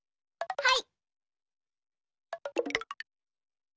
はい。